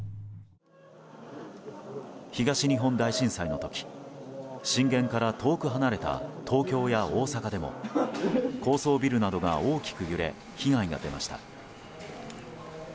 東日本大震災の時震源から遠く離れた東京や大阪でも高層ビルなどが大きく揺れ、被害が出ました。